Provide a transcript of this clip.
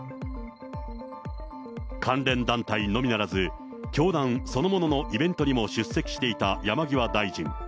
関連団体のみならず、教団そのもののイベントにも出席していた山際大臣。